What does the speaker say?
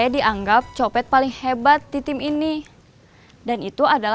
di antara kita